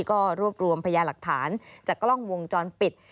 ก็รวบรวมพยาหลักฐานจากกล้องวงจรปิด